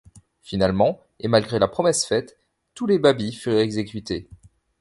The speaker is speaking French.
Finalement, et malgré la promesse faite, tous les babis furent exécutés.